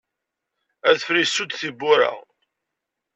Adfel isudd tiwwura.